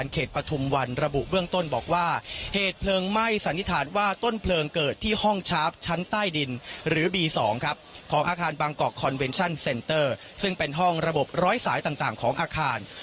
กับสายต่างของอาคาร